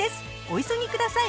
お急ぎください！